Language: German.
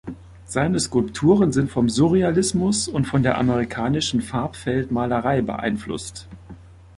Seine Skulpturen sind vom Surrealismus und von der amerikanischen Farbfeldmalerei beeinflusst.